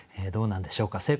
どうなんでしょうか？